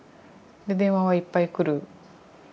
で電話はいっぱい来る。